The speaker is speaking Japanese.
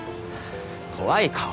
怖い顔。